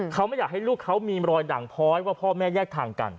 เขาไม่อยากให้ลูกเขามีรอยดั่งพ้อยว่าพ่อแม่แยกทางกัน